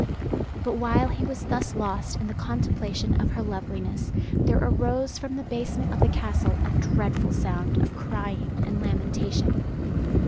But while he was thus lost in the contemplation of her loveliness there arose from the basement of the castle a dreadful sound of crying and lamentation.